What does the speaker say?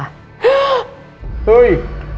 เฮ้ย